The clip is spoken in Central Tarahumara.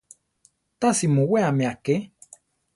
Tasi muweame aké.